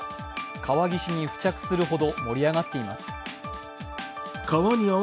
川岸に付着するほど盛り上がっています。